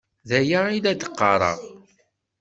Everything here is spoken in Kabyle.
D aya i la d-qqareɣ.